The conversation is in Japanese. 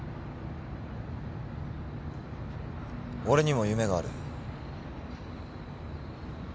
俺にも夢がある。